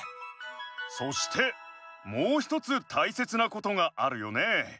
そしてもうひとつたいせつなことがあるよね。